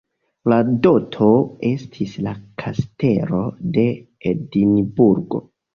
La doto estis la Kastelo de Edinburgo.